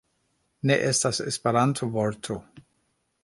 Ne estas Esperanto-vorto